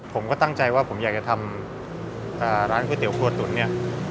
ผมก็ตั้งใจว่าผมอยากจะทำร้านก๋วยเตี๋ยครัวตุ๋นเนี่ย